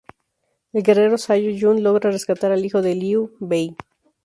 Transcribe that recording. El guerrero Zhao Yun logra rescatar al hijo de Liu Bei.